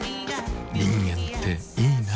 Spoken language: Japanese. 人間っていいナ。